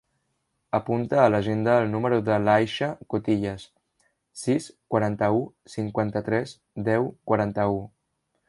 Apunta a l'agenda el número de l'Aisha Cotillas: sis, quaranta-u, cinquanta-tres, deu, quaranta-u.